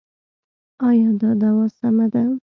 ایا دا دوا سمه ده؟